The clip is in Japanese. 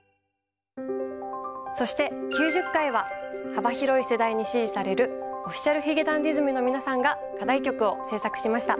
そして９０回は幅広い世代に支持されるＯｆｆｉｃｉａｌ髭男ｄｉｓｍの皆さんが課題曲を制作しました。